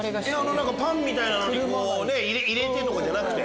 パンみたいなのに入れてとかじゃなくて？